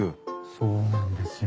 そうなんですよ。